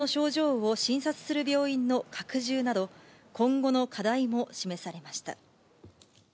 専門家からは、接種後の症状を診察する病院の拡充など、今後の課題も示されました。